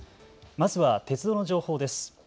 まずは鉄道の情報です。